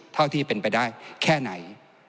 เท่าที่เป็นไปได้แค่ไหน